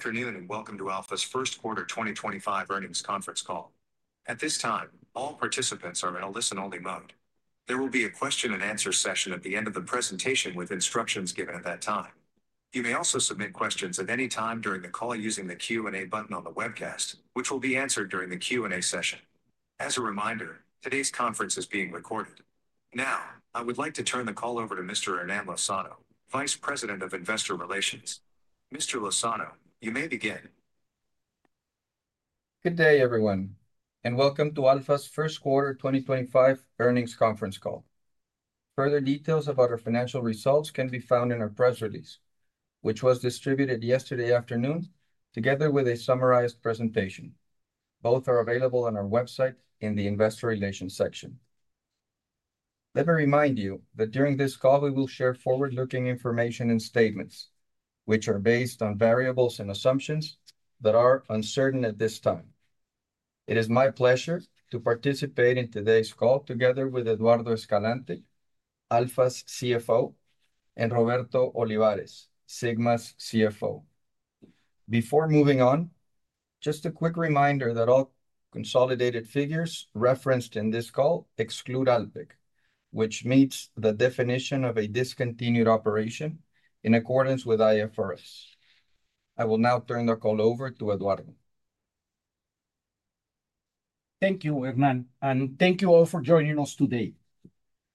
Afternoon and welcome to Alfa's Q1 2025 earnings conference call. At this time, all participants are in a listen-only mode. There will be a question-and-answer session at the end of the presentation with instructions given at that time. You may also submit questions at any time during the call using the Q&A button on the webcast, which will be answered during the Q&A session. As a reminder, today's conference is being recorded. Now, I would like to turn the call over to Mr. Hernán Lozano, Vice President of Investor Relations. Mr. Lozano, you may begin. Good day, everyone, and welcome to Alfa's Q1 2025 earnings conference call. Further details about our financial results can be found in our press release, which was distributed yesterday afternoon, together with a summarized presentation. Both are available on our website in the Investor Relations section. Let me remind you that during this call, we will share forward-looking information and statements, which are based on variables and assumptions that are uncertain at this time. It is my pleasure to participate in today's call together with Eduardo Escalante, Alfa's CFO, and Roberto Olivares, Sigma's CFO. Before moving on, just a quick reminder that all consolidated figures referenced in this call exclude ALPEC, which meets the definition of a discontinued operation in accordance with IFRS. I will now turn the call over to Eduardo. Thank you, Hernán, and thank you all for joining us today.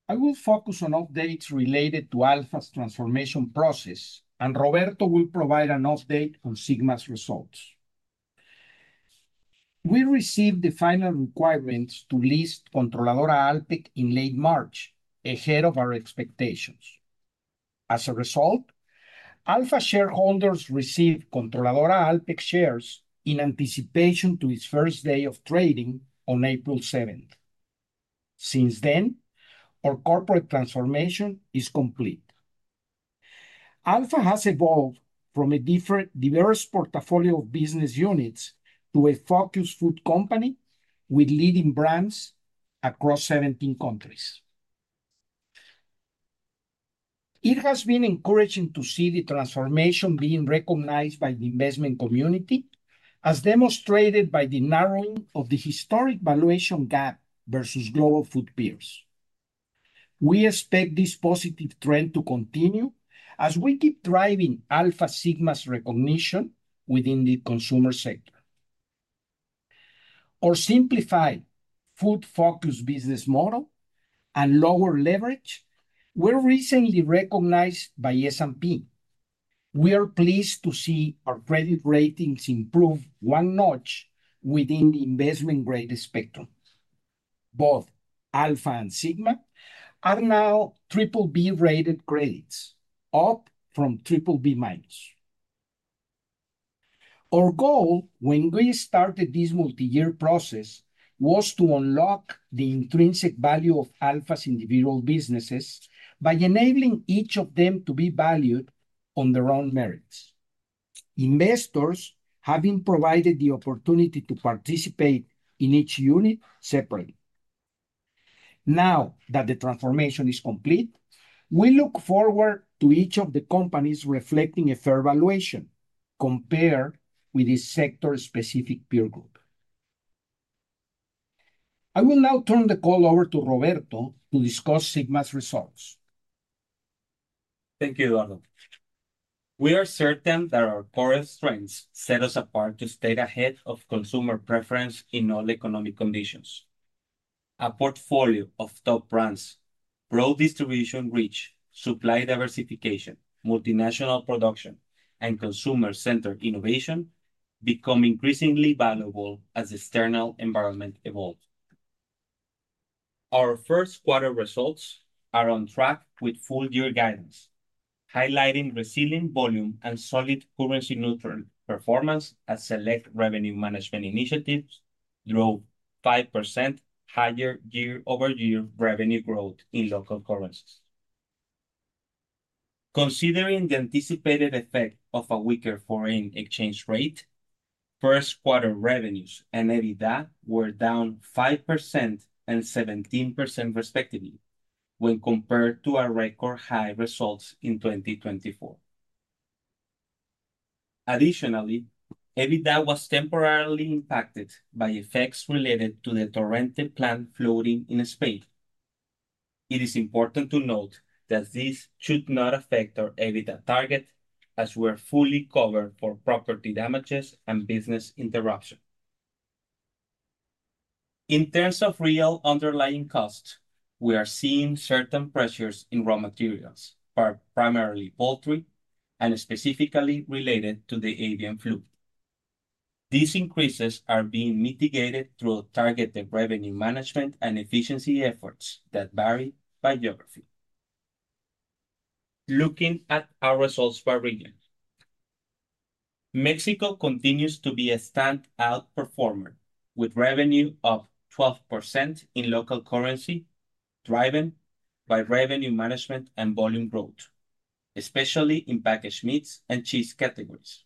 I will focus on updates related to Alfa's transformation process, and Roberto will provide an update on Sigma's results. We received the final requirements to list Controladora ALPEC in late March, ahead of our expectations. As a result, Alfa shareholders received Controladora ALPEC shares in anticipation of its first day of trading on April 7. Since then, our corporate transformation is complete. Alfa has evolved from a diverse portfolio of business units to a focused food company with leading brands across 17 countries. It has been encouraging to see the transformation being recognized by the investment community, as demonstrated by the narrowing of the historic valuation gap versus global food peers. We expect this positive trend to continue as we keep driving Alfa Sigma's recognition within the consumer sector. Our simplified, food-focused business model and lower leverage were recently recognized by S&P. We are pleased to see our credit ratings improve one notch within the investment-grade spectrum. Both Alfa and Sigma are now triple-B rated credits, up from triple-B minus. Our goal when we started this multi-year process was to unlock the intrinsic value of Alfa's individual businesses by enabling each of them to be valued on their own merits. Investors have been provided the opportunity to participate in each unit separately. Now that the transformation is complete, we look forward to each of the companies reflecting a fair valuation compared with its sector-specific peer group. I will now turn the call over to Roberto to discuss Sigma's results. Thank you, Eduardo. We are certain that our core strengths set us apart to stay ahead of consumer preference in all economic conditions. A portfolio of top brands, broad distribution reach, supply diversification, multinational production, and consumer-centered innovation become increasingly valuable as the external environment evolves. Our first quarter results are on track with full-year guidance, highlighting resilient volume and solid currency-neutral performance as select revenue management initiatives drove 5% higher year-over-year revenue growth in local currencies. Considering the anticipated effect of a weaker foreign exchange rate, first-quarter revenues and EBITDA were down 5% and 17% respectively when compared to our record-high results in 2024. Additionally, EBITDA was temporarily impacted by effects related to the torrential plant flooding in Spain. It is important to note that this should not affect our EBITDA target, as we are fully covered for property damages and business interruption. In terms of real underlying costs, we are seeing certain pressures in raw materials, primarily poultry, and specifically related to the avian flu. These increases are being mitigated through targeted revenue management and efficiency efforts that vary by geography. Looking at our results by region, Mexico continues to be a standout performer with revenue of 12% in local currency, driven by revenue management and volume growth, especially in packaged meats and cheese categories.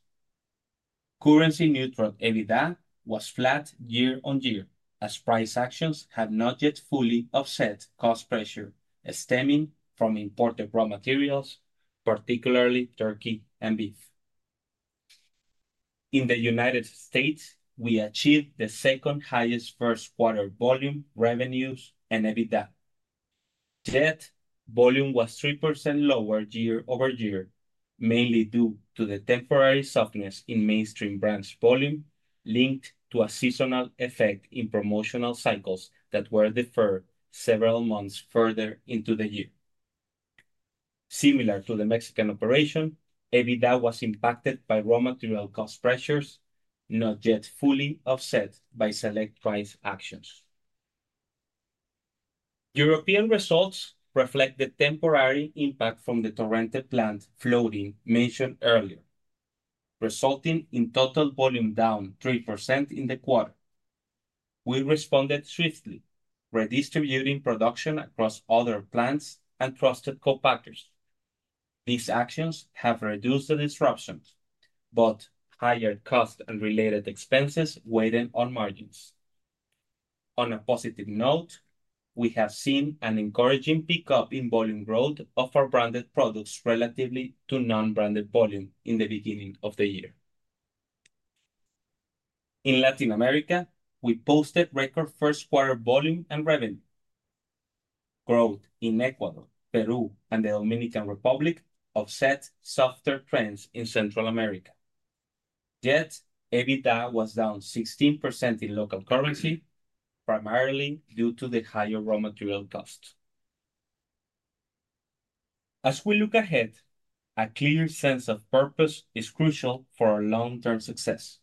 Currency-neutral EBITDA was flat year-on-year, as price actions have not yet fully offset cost pressure stemming from imported raw materials, particularly turkey and beef. In the United States, we achieved the second-highest first-quarter volume revenues and EBITDA. Yet, volume was 3% lower year-over-year, mainly due to the temporary softness in mainstream brands' volume linked to a seasonal effect in promotional cycles that were deferred several months further into the year. Similar to the Mexican operation, EBITDA was impacted by raw material cost pressures, not yet fully offset by select price actions. European results reflect the temporary impact from the torrential plant flooding mentioned earlier, resulting in total volume down 3% in the quarter. We responded swiftly, redistributing production across other plants and trusted co-packers. These actions have reduced the disruptions, but higher cost and related expenses weighed in on margins. On a positive note, we have seen an encouraging pickup in volume growth of our branded products relatively to non-branded volume in the beginning of the year. In Latin America, we posted record first-quarter volume and revenue. Growth in Ecuador, Peru, and the Dominican Republic offset softer trends in Central America. Yet, EBITDA was down 16% in local currency, primarily due to the higher raw material cost. As we look ahead, a clear sense of purpose is crucial for our long-term success.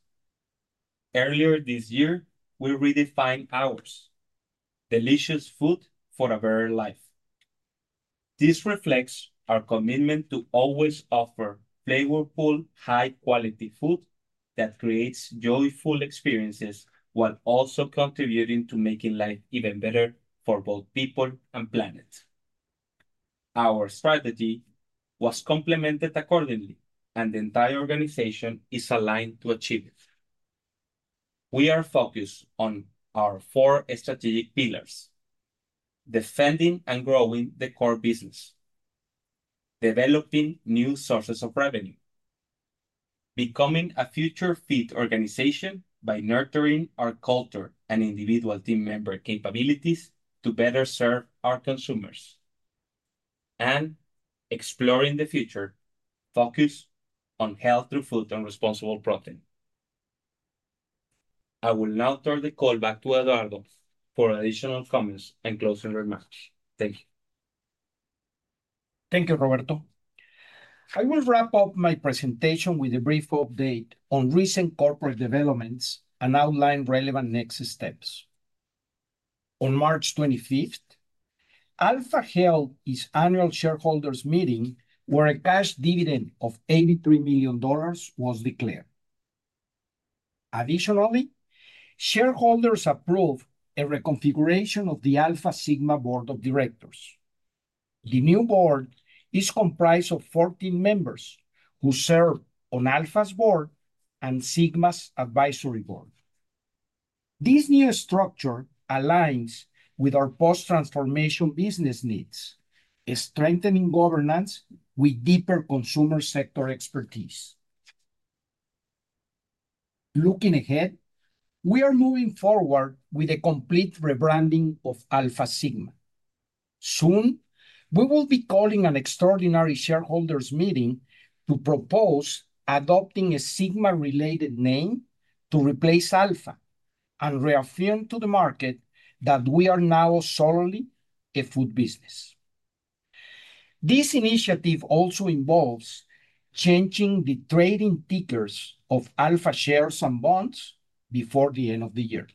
Earlier this year, we redefined ours: delicious food for a better life. This reflects our commitment to always offer flavorful, high-quality food that creates joyful experiences while also contributing to making life even better for both people and planets. Our strategy was complemented accordingly, and the entire organization is aligned to achieve it. We are focused on our four strategic pillars: defending and growing the core business, developing new sources of revenue, becoming a future-fit organization by nurturing our culture and individual team member capabilities to better serve our consumers, and exploring the future focused on health through food and responsible protein. I will now turn the call back to Eduardo for additional comments and closing remarks. Thank you. Thank you, Roberto. I will wrap up my presentation with a brief update on recent corporate developments and outline relevant next steps. On March 25, Alfa held its annual shareholders' meeting where a cash dividend of $83 million was declared. Additionally, shareholders approved a reconfiguration of the Alfa Sigma board of directors. The new board is comprised of 14 members who serve on Alfa's board and Sigma's advisory board. This new structure aligns with our post-transformation business needs, strengthening governance with deeper consumer sector expertise. Looking ahead, we are moving forward with a complete rebranding of Alfa Sigma. Soon, we will be calling an extraordinary shareholders' meeting to propose adopting a Sigma-related name to replace Alfa and reaffirm to the market that we are now solely a food business. This initiative also involves changing the trading tickers of Alfa shares and bonds before the end of the year.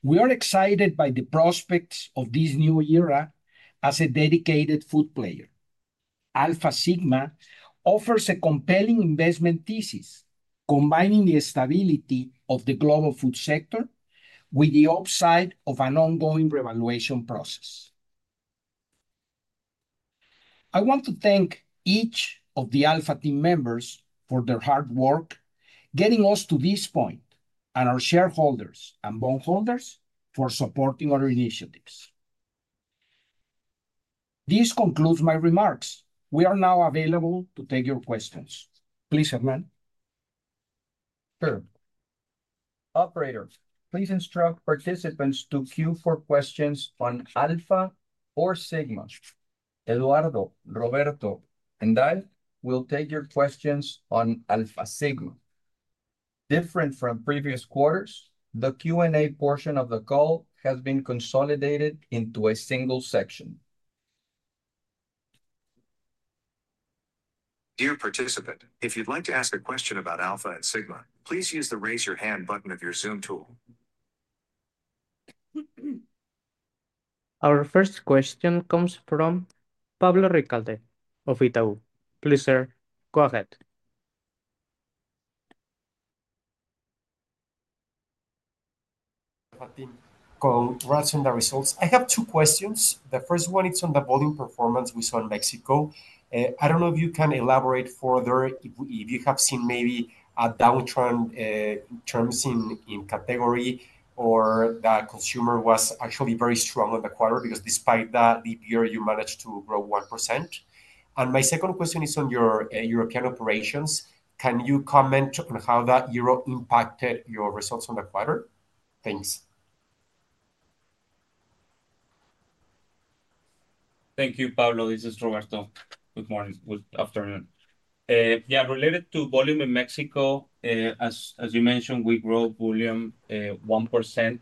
We are excited by the prospects of this new era as a dedicated food player. Alfa Sigma offers a compelling investment thesis combining the stability of the global food sector with the upside of an ongoing revaluation process. I want to thank each of the Alfa team members for their hard work getting us to this point, and our shareholders and bondholders for supporting our initiatives. This concludes my remarks. We are now available to take your questions. Please, Hernán. Sure. Operator, please instruct participants to queue for questions on Alfa or Sigma. Eduardo, Roberto, and I will take your questions on Alfa Sigma. Different from previous quarters, the Q&A portion of the call has been consolidated into a single section. Dear participant, if you'd like to ask a question about Alfa and Sigma, please use the raise-your-hand button of your Zoom tool. Our first question comes from Pablo Ricalde of Itaú. Please, sir, go ahead. Congrats on the results. I have two questions. The first one is on the volume performance we saw in Mexico. I don't know if you can elaborate further, if you have seen maybe a downtrend in terms in category or the consumer was actually very strong on the quarter because despite that, the year you managed to grow 1%. And my second question is on your European operations. Can you comment on how that year impacted your results on the quarter? Thanks. Thank you, Pablo. This is Roberto. Good morning. Good afternoon. Related to volume in Mexico, as you mentioned, we grow volume 1%.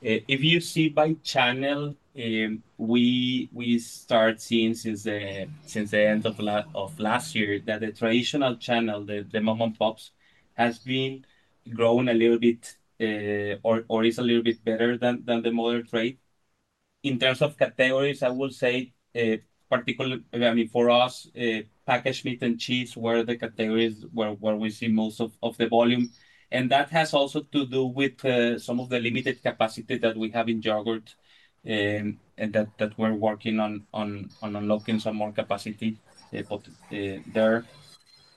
If you see by channel, we start seeing since the end of last year that the traditional channel, the mom-and-pops, has been growing a little bit or is a little bit better than the modern trade. In terms of categories, I will say, particularly, I mean, for us, packaged meat and cheese were the categories where we see most of the volume. That has also to do with some of the limited capacity that we have in yogurt and that we're working on unlocking some more capacity there.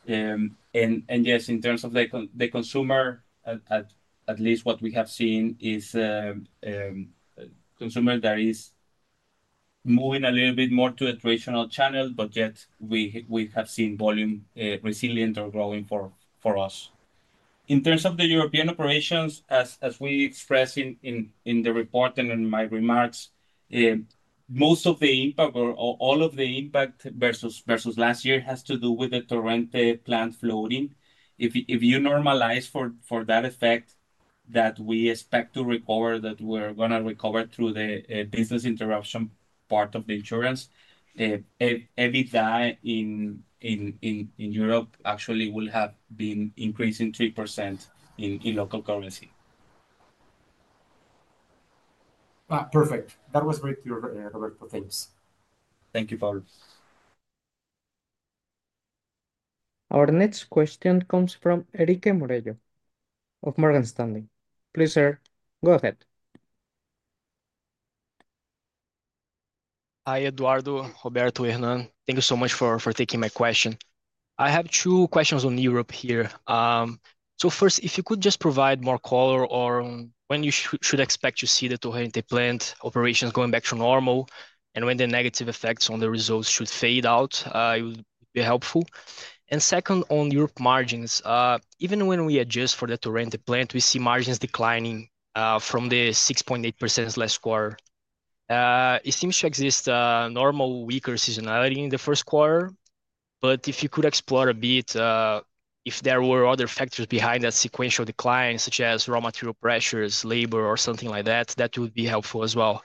Yes, in terms of the consumer, at least what we have seen is consumer that is moving a little bit more to a traditional channel, but yet we have seen volume resilient or growing for us. In terms of the European operations, as we expressed in the report and in my remarks, most of the impact or all of the impact versus last year has to do with the torrential plant flooding. If you normalize for that effect that we expect to recover, that we're going to recover through the business interruption part of the insurance, EBITDA in Europe actually will have been increasing 3% in local currency. Perfect. That was great, Roberto. Thanks. Thank you, Pablo. Our next question comes from Enrique Morello of Morgan Stanley. Please, sir, go ahead. Hi, Eduardo, Roberto, Hernán. Thank you so much for taking my question. I have two questions on Europe here. First, if you could just provide more color on when you should expect to see the torrential plant operations going back to normal and when the negative effects on the results should fade out, it would be helpful. Second, on Europe margins, even when we adjust for the torrential plant, we see margins declining from the 6.8% last quarter. It seems to exist a normal weaker seasonality in the first quarter, but if you could explore a bit if there were other factors behind that sequential decline, such as raw material pressures, labor, or something like that, that would be helpful as well.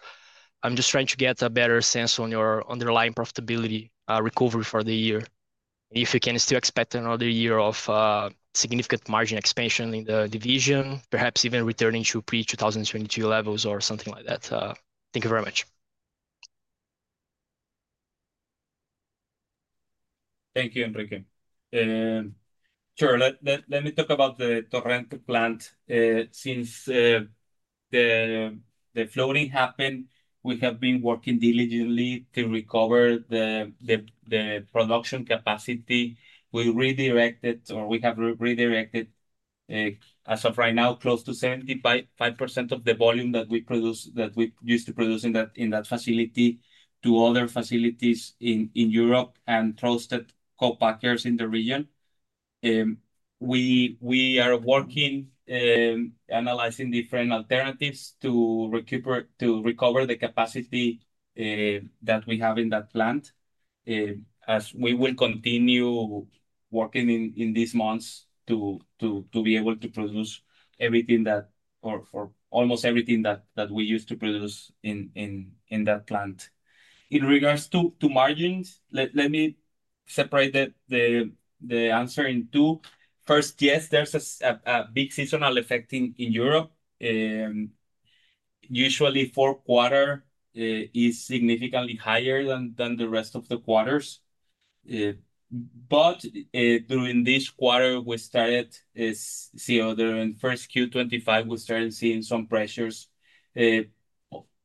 I'm just trying to get a better sense on your underlying profitability recovery for the year. If you can still expect another year of significant margin expansion in the division, perhaps even returning to pre-2022 levels or something like that. Thank you very much. Thank you, Enrique. Sure. Let me talk about the torrential plant. Since the flooding happened, we have been working diligently to recover the production capacity. We redirected, or we have redirected, as of right now, close to 75% of the volume that we used to produce in that facility to other facilities in Europe and trusted co-packers in the region. We are working, analyzing different alternatives to recover the capacity that we have in that plant, as we will continue working in these months to be able to produce everything that, or almost everything that we used to produce in that plant. In regards to margins, let me separate the answer in two. First, yes, there's a big seasonal effect in Europe. Usually, fourth quarter is significantly higher than the rest of the quarters. During this quarter, we started to see during first Q25, we started seeing some pressures.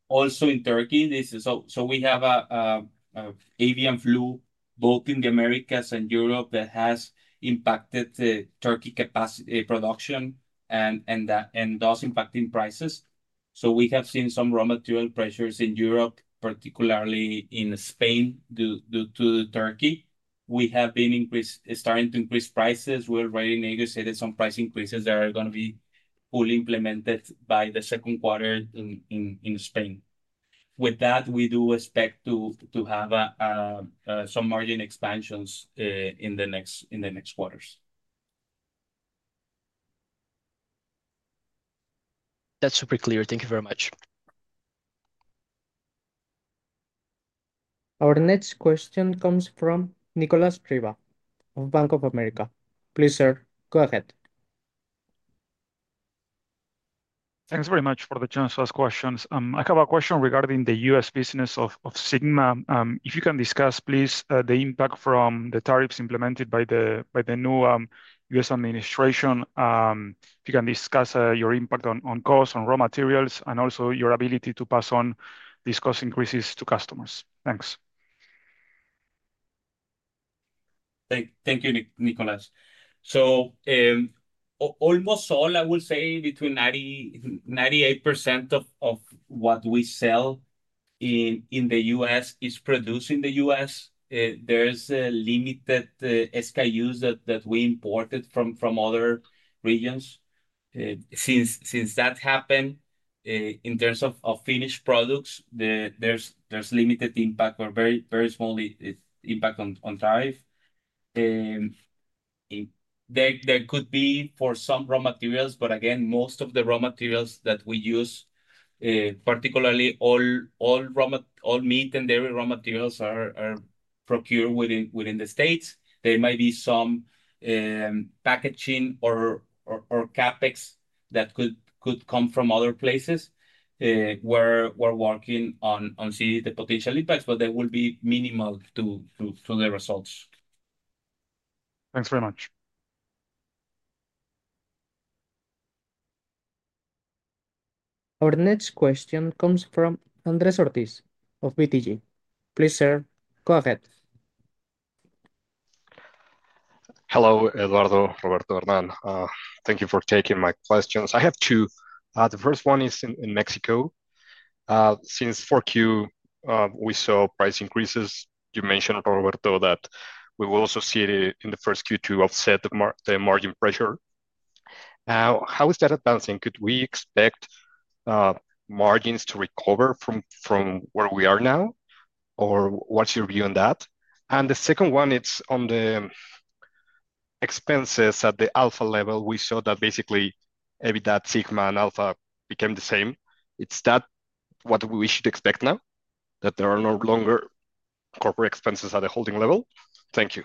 Also in Turkey, we have avian flu both in the Americas and Europe that has impacted turkey production and thus impacting prices. We have seen some raw material pressures in Europe, particularly in Spain, due to turkey. We have been starting to increase prices. We are already negotiating some price increases that are going to be fully implemented by the second quarter in Spain. With that, we do expect to have some margin expansions in the next quarters. That's super clear. Thank you very much. Our next question comes from Nicolas Triva of Bank of America. Please, sir, go ahead. Thanks very much for the chance to ask questions. I have a question regarding the US business of Sigma. If you can discuss, please, the impact from the tariffs implemented by the new US administration. If you can discuss your impact on costs, on raw materials, and also your ability to pass on these cost increases to customers. Thanks. Thank you, Nicolas. Almost all, I will say, between 98% of what we sell in the US is produced in the US There are limited SKUs that we imported from other regions. Since that happened, in terms of finished products, there is limited impact or very small impact on tariff. There could be for some raw materials, but again, most of the raw materials that we use, particularly all meat and dairy raw materials, are procured within the States. There might be some packaging or CapEx that could come from other places where we are working on seeing the potential impacts, but they will be minimal to the results. Thanks very much. Our next question comes from Andrés Ortiz of BTG. Please, sir, go ahead. Hello, Eduardo, Roberto, Hernán. Thank you for taking my questions. I have two. The first one is in Mexico. Since Q4, we saw price increases. You mentioned, Roberto, that we will also see it in the Q1 to offset the margin pressure. How is that advancing? Could we expect margins to recover from where we are now? What is your view on that? The second one is on the expenses at the Alfa level. We saw that basically EBITDA, Sigma, and Alfa became the same. Is that what we should expect now, that there are no longer corporate expenses at the holding level? Thank you.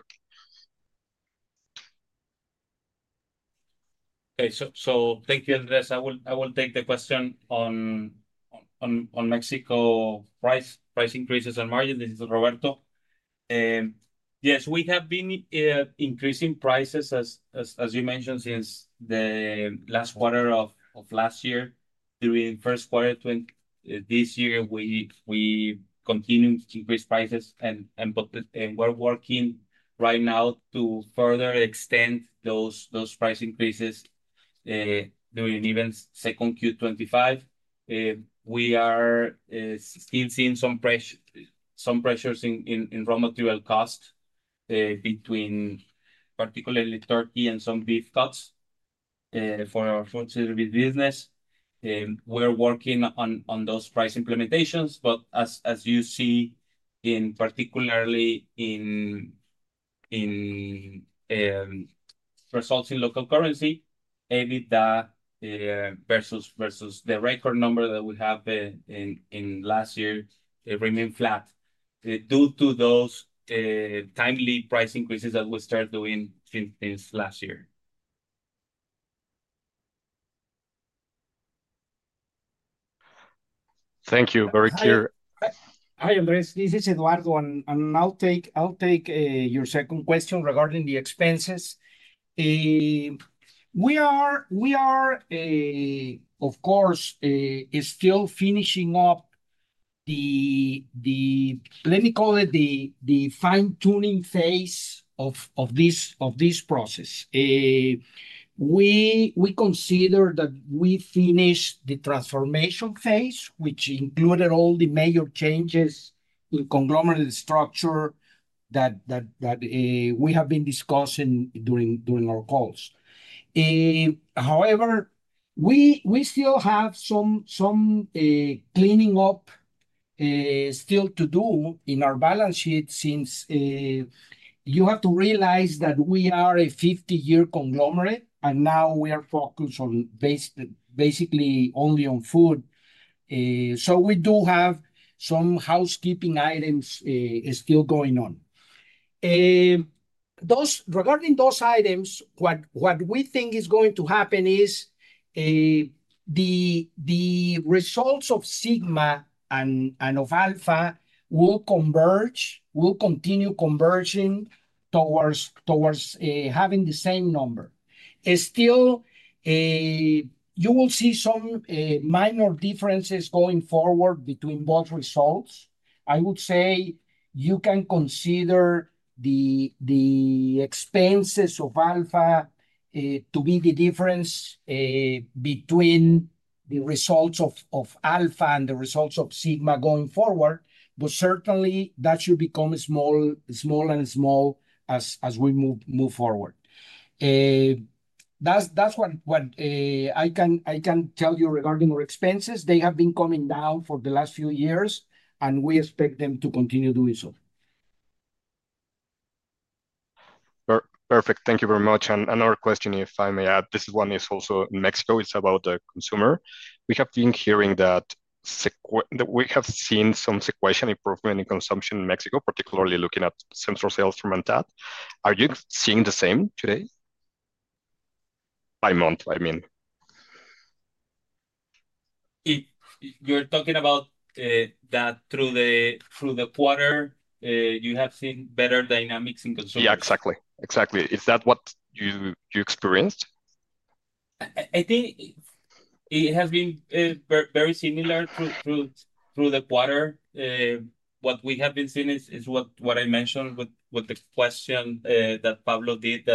Okay. Thank you, Andrés. I will take the question on Mexico price increases and margins. This is Roberto. Yes, we have been increasing prices, as you mentioned, since the last quarter of last year. During the Q1 this year, we continued to increase prices, and we're working right now to further extend those price increases during even Q2 2025. We are still seeing some pressures in raw material costs between particularly turkey and some beef cuts for our food service business. We're working on those price implementations, but as you see, particularly in results in local currency, EBITDA versus the record number that we have in last year remained flat due to those timely price increases that we started doing since last year. Thank you. Very clear. Hi, Andrés. This is Eduardo, and I'll take your second question regarding the expenses. We are, of course, still finishing up the, let me call it, the fine-tuning phase of this process. We consider that we finished the transformation phase, which included all the major changes in conglomerate structure that we have been discussing during our calls. However, we still have some cleaning up still to do. In our balance sheet, since you have to realize that we are a 50-year conglomerate, and now we are focused on basically only on food. So we do have some housekeeping items still going on. Regarding those items, what we think is going to happen is the results of Sigma and of Alfa will converge, will continue converging towards having the same number. Still, you will see some minor differences going forward between both results. I would say you can consider the expenses of Alfa to be the difference between the results of Alfa and the results of Sigma going forward, but certainly that should become small and small as we move forward. That's what I can tell you regarding our expenses. They have been coming down for the last few years, and we expect them to continue doing so. Perfect. Thank you very much. Another question, if I may add. This one is also in Mexico. It is about the consumer. We have been hearing that we have seen some sequential improvement in consumption in Mexico, particularly looking at sensor sales from Antat. Are you seeing the same today? By month, I mean. You're talking about that through the quarter? You have seen better dynamics in consumption? Yeah, exactly. Exactly. Is that what you experienced? I think it has been very similar through the quarter. What we have been seeing is what I mentioned with the question that Pablo did,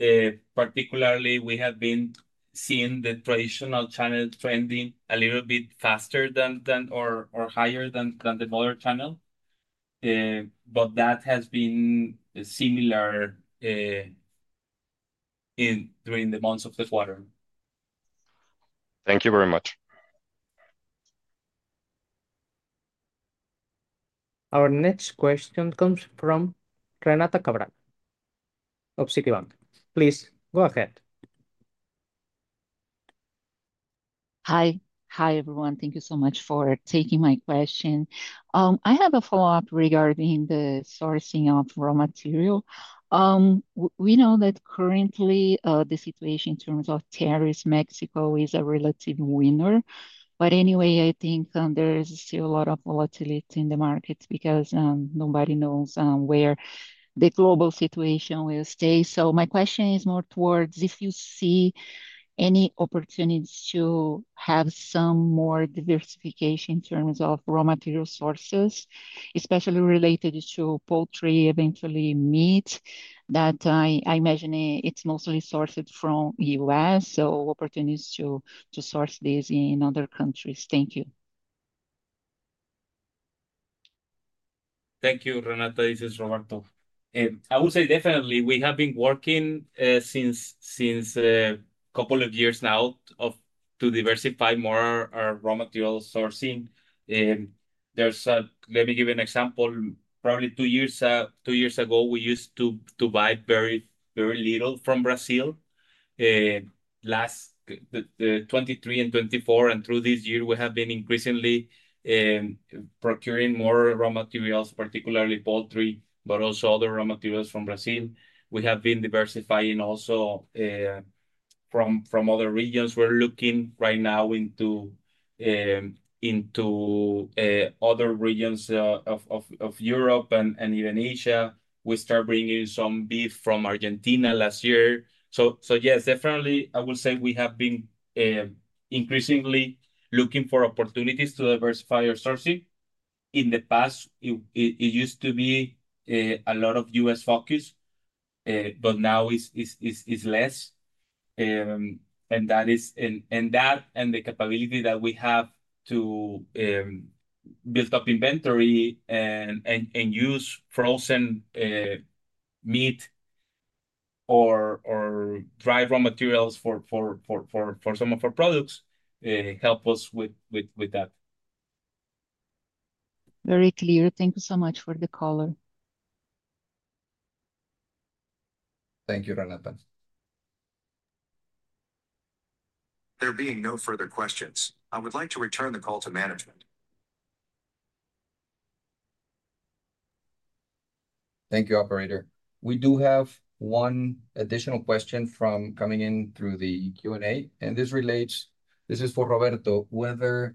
that particularly we have been seeing the traditional channel trending a little bit faster or higher than the modern channel. That has been similar during the months of the quarter. Thank you very much. Our next question comes from Renata Cabral of Citibank. Please, go ahead. Hi. Hi, everyone. Thank you so much for taking my question. I have a follow-up regarding the sourcing of raw material. We know that currently the situation in terms of tariffs, Mexico is a relative winner. Anyway, I think there is still a lot of volatility in the market because nobody knows where the global situation will stay. My question is more towards if you see any opportunities to have some more diversification in terms of raw material sources, especially related to poultry, eventually meat, that I imagine it's mostly sourced from the U.S., opportunities to source these in other countries. Thank you. Thank you, Renata. This is Roberto. I would say definitely we have been working since a couple of years now to diversify more our raw material sourcing. Let me give you an example. Probably two years ago, we used to buy very little from Brazil. Last 2023 and 2024, and through this year, we have been increasingly procuring more raw materials, particularly poultry, but also other raw materials from Brazil. We have been diversifying also from other regions. We are looking right now into other regions of Europe and even Asia. We started bringing some beef from Argentina last year. Yes, definitely, I would say we have been increasingly looking for opportunities to diversify our sourcing. In the past, it used to be a lot of U.S. focus, but now it is less. That is, and the capability that we have to build up inventory and use frozen meat or dry raw materials for some of our products help us with that. Very clear. Thank you so much for the caller. Thank you, Renata. There being no further questions, I would like to return the call to management. Thank you, operator. We do have one additional question coming in through the Q&A, and this relates, this is for Roberto, whether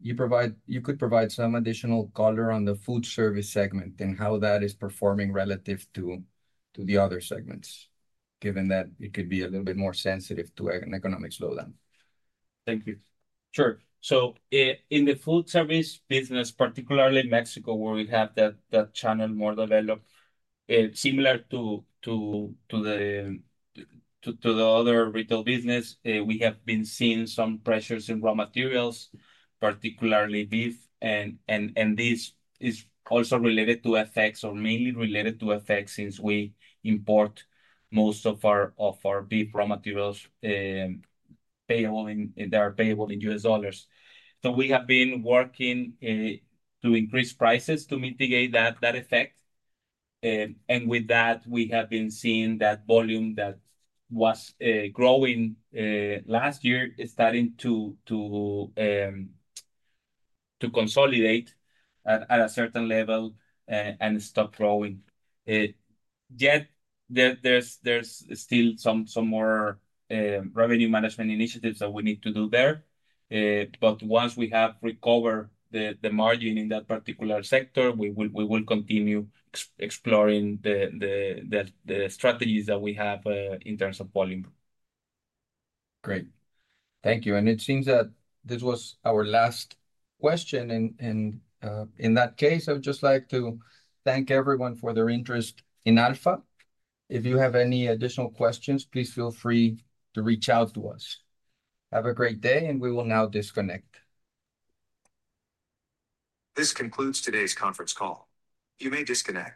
you could provide some additional color on the food service segment and how that is performing relative to the other segments, given that it could be a little bit more sensitive to an economic slowdown. Thank you. Sure. In the food service business, particularly Mexico, where we have that channel more developed, similar to the other retail business, we have been seeing some pressures in raw materials, particularly beef. This is also related to FX or mainly related to FX since we import most of our beef raw materials that are payable in US dollars. We have been working to increase prices to mitigate that effect. With that, we have been seeing that volume that was growing last year is starting to consolidate at a certain level and stop growing. Yet there's still some more revenue management initiatives that we need to do there. Once we have recovered the margin in that particular sector, we will continue exploring the strategies that we have in terms of volume. Great. Thank you. It seems that this was our last question. In that case, I would just like to thank everyone for their interest in Alfa. If you have any additional questions, please feel free to reach out to us. Have a great day, and we will now disconnect. This concludes today's conference call. You may disconnect.